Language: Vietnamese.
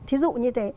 thí dụ như thế